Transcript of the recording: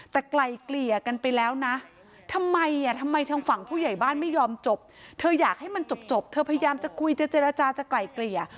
แต่ไกลเกลี่ยกันไปแล้วนะทำไมอ่ะทำไมทางฝั่งผู้ใหญ่บ้านไม่ยอมจบเธออยากให้มันจบเธอพยายามจะคุยจะเจรจาจะไกล่เกลี่ย